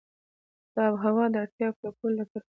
د آب وهوا د اړتیاوو پوره کولو لپاره اقدامات کېږي.